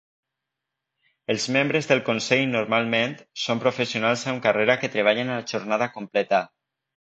Els membres del consell, normalment, són professionals amb carrera que treballen a jornada completa.